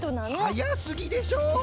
はやすぎでしょ